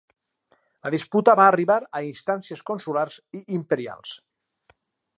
La disputa va arribar a instàncies consulars i imperials.